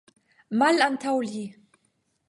Malantaŭ li .